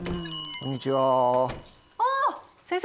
こんにちは習君。